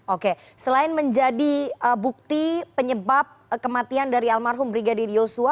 oke selain menjadi bukti penyebab kematian dari almarhum brigadir yosua